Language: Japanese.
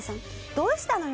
「どうしたのよ？